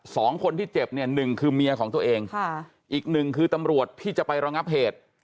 สองคนที่เจ็บเนี่ยหนึ่งคือเมียของตัวเองค่ะอีกหนึ่งคือตำรวจที่จะไประงับเหตุ